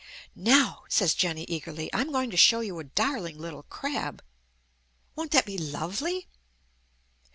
"Now," says Jenny eagerly, "I'm going to show you a darling little crab. Won't that be lovely?"